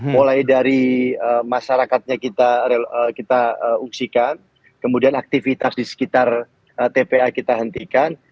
mulai dari masyarakatnya kita ungsikan kemudian aktivitas di sekitar tpa kita hentikan